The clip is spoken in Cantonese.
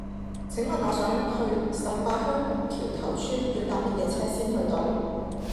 請問我想去十八鄉木橋頭村要搭乜嘢車先去到